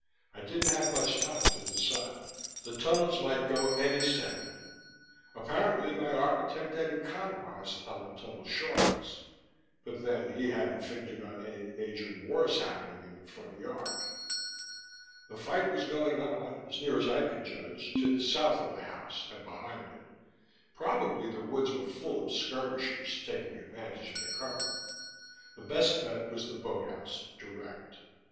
I didn't have much time to decide; the tunnels might go any second. Apparently my architect had economized on the tunnel shorings. But then, he hadn't figured on any major wars happening in the front yard. The fight was going on, as near as I could judge, to the south of the house and behind it. Probably the woods were full of skirmishers, taking advantage of the cover. The best bet was the boathouse, direct.